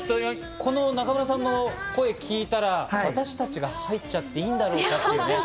中村さんの歌声を聞いたら、私たちが入っちゃっていいんだろうかっていう。